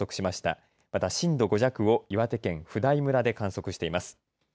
また震度５弱を岩手県普代村で観測しています。